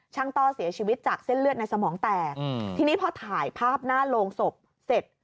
ต้อเสียชีวิตจากเส้นเลือดในสมองแตกทีนี้พอถ่ายภาพหน้าโรงศพเสร็จ